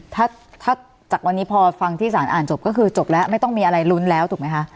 ถ้าถ้าจากวันนี้พอฟังที่สารอ่านจบก็คือจบแล้วไม่ต้องมีอะไรลุ้นแล้วถูกไหมคะ